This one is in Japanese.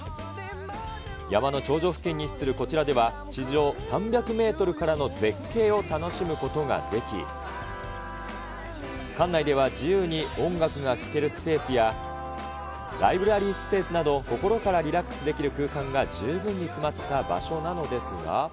山の頂上付近に位置するこちらでは、地上３００メートルからの絶景を楽しむことができ、館内では自由に音楽が聴けるスペースや、ライブラリースペースなど、心からリラックスできる空間が十分に詰まった場所なのですが。